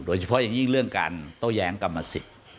โดยเฉพาะอย่างยิ่งเรื่องการโต้แย้งกรรมสิทธิ์